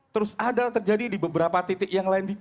terus ada terjadi di beberapa titik yang lain